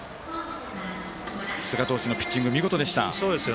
寿賀投手のピッチング見事でした。